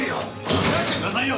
離してくださいよ！